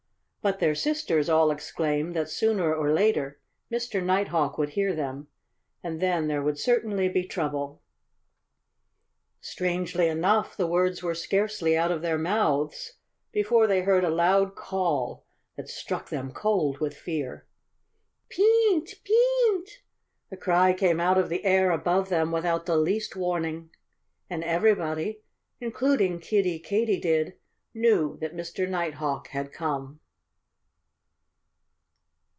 But their sisters all exclaimed that sooner or later Mr. Nighthawk would hear them; and then there would certainly be trouble. Strangely enough, the words were scarcely out of their mouths before they heard a loud call that struck them cold with fear. Peent! Peent! The cry came out of the air above them without the least warning. And everybody including Kiddie Katydid knew that Mr. Nighthawk had come.